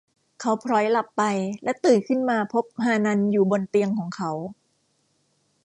เขาผล็อยหลับไปและตื่นขึ้นมาพบฮานันอยู่บนเตียงของเขา